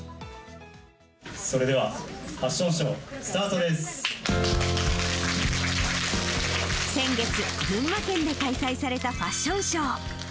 それでは、ファッションショ先月、群馬県で開催されたファッションショー。